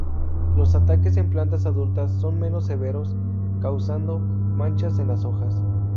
Los ataques en plantas adultas son menos severos, causando manchas en las hojas.